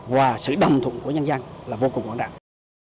và sự đồng thuận của nhân dân là vô cùng quan trọng